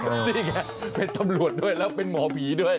นี่ไงเป็นตำรวจด้วยแล้วเป็นหมอผีด้วย